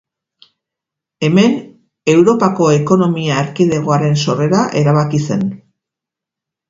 Hemen Europako Ekonomia Erkidegoaren sorrera erabaki zen.